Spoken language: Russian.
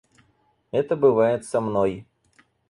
Это бывает со мной.